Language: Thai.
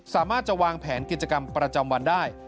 สามารถจะวางแผนกิจกรรมประจำวันได้